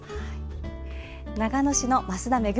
長野市の増田めぐ